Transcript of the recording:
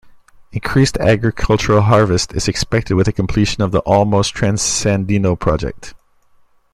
Increased agricultural harvest is expected with completion of the Olmos Transandino Project.